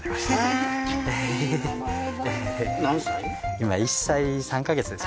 今１歳３カ月です。